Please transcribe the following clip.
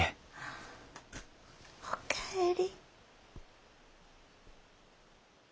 お帰り。